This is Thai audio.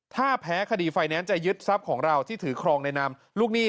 ถ้าแพ้คดีไฟแนนซ์จะยึดทรัพย์ของเราที่ถือครองในนามลูกหนี้